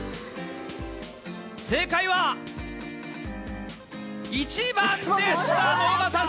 正解は、１番でした。